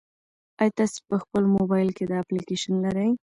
ایا تاسي په خپل موبایل کې دا اپلیکیشن لرئ؟